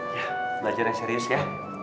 ya belajar yang serius ya